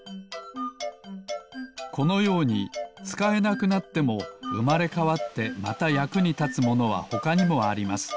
このようにつかえなくなってもうまれかわってまたやくにたつものはほかにもあります。